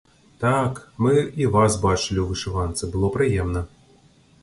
Так, мы і вас бачылі ў вышыванцы, было прыемна.